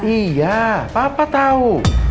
iya papa tahu